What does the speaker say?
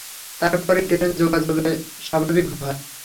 তারপরই ট্রেন যোগাযোগ স্বাভাবিক হয়।